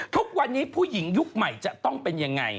ทุกวันนี้ผู้หญิงยุคใหม่จะต้องเป็นยังไง